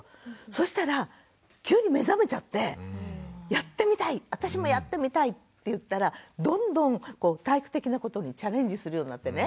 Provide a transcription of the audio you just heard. そしたら急に目覚めちゃってやってみたい私もやってみたいっていったらどんどん体育的なことにチャレンジするようになってね